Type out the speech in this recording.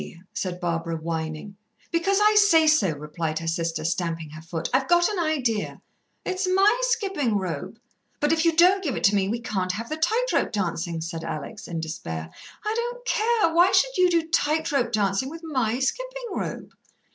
said Barbara, whining. "Because I say so," replied her sister, stamping her foot. "I've got an idea." "It's my skipping rope." "But if you don't give it to me we can't have the tight rope dancing," said Alex in despair. "I don't care. Why should you do tight rope dancing with my skipping rope?"